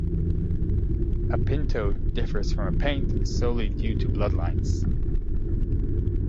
A pinto differs from a Paint solely due to bloodlines.